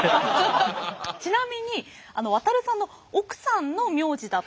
ちなみに航海さんの奥さんの名字だったというお話。